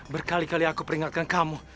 berkali kali aku peringatkan kamu